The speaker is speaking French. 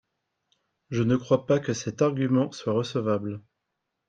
Je ne crois pas que cet argument soit recevable.